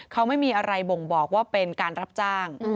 เขาไม่มีอะไรบ่งบอกว่าเป็นการรับจ้าง